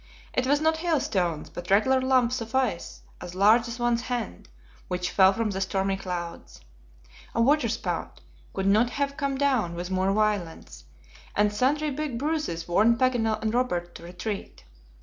It was not hail stones, but regular lumps of ice, as large as one's hand, which fell from the stormy clouds. A waterspout could not have come down with more violence, and sundry big bruises warned Paganel and Robert to retreat.